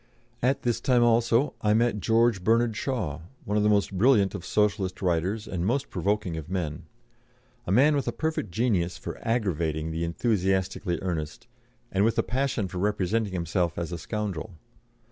At this time also I met George Bernard Shaw, one of the most brilliant of Socialist writers and most provoking of men; a man with a perfect genius for "aggravating" the enthusiastically earnest, and with a passion for representing himself as a scoundrel.